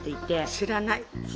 「知らない」。